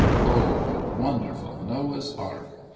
O the wonderful Noah's Ark